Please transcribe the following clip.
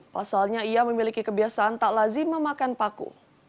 pasalnya ia memiliki kebiasaan tak lazim memakan paku